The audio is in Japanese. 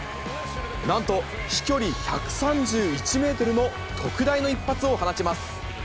なんと飛距離１３１メートルの特大の一発を放ちます。